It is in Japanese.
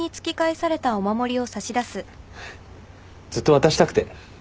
ずっと渡したくて。